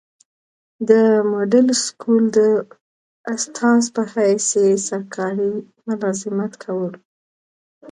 دمډل سکول د استاذ پۀ حيث ئي سرکاري ملازمت کولو